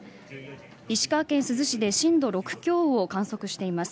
石川県珠洲市で震度６強を観測しています。